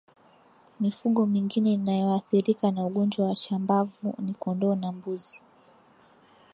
Mifugo mingine inayoathirika na ugonjwa wa chambavu ni kondoo na mbuzi